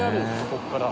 ここから。